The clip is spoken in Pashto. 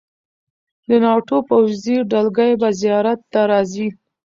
د ناټو پوځي دلګۍ به زیارت ته راځي.